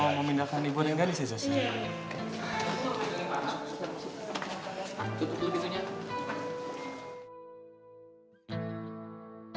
kalau mau memindahkan ibu dengan gani saya jauh jauh